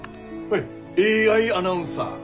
ＡＩアナウンサー。